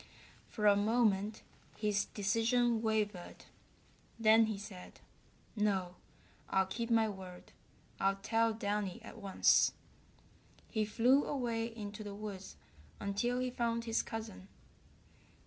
For a moment his decision wavered. Then he said: "No, I'll keep my word. I'll tell Downy at once." He flew away into the woods until he found his cousin.